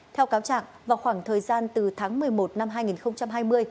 theo cáo trạng vào khoảng thời gian từ tháng một mươi một năm hai nghìn hai mươi